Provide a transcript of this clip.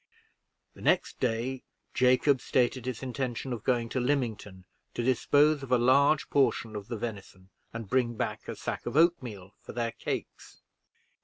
The next day, Jacob stated his intention of going to Lymington to dispose of a large portion of the venison, and bring back a sack of oatmeal for their cakes.